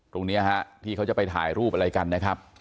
ตรงนี้ฮะที่เขาจะไปถ่ายรูปอะไรกันนะครับ